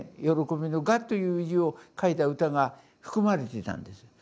慶びの「賀」という字を書いた歌が含まれていたんです。